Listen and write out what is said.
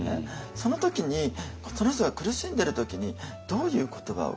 その時にその人が苦しんでる時にどういう言葉をかけてあげるかとか。